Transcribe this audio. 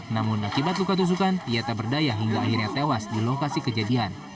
namun akibat luka tusukan ia tak berdaya hingga akhirnya tewas di lokasi kejadian